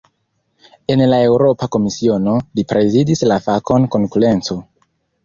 En la Eŭropa Komisiono, li prezidis la fakon "konkurenco".